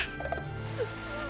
うっ。